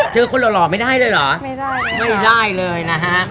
เจอคนหล่อไม่ได้เลยหรอไม่ได้เลยนะฮะ